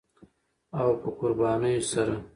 او په قربانیو سره